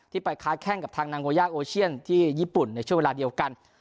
ไปค้าแข้งกับทางนางโวย่าโอเชียนที่ญี่ปุ่นในช่วงเวลาเดียวกัน